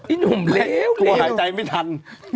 อีหนุ่มเลวหายใจไม่ทัน